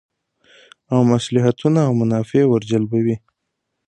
او مصلحتونه او منافع ور جلبوی